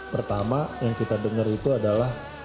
pertama yang kita dengar itu adalah